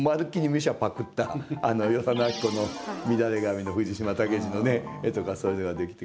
ミュシャパクったあの与謝野晶子の「みだれ髪」の藤島武二の絵とかそういうのができてくる。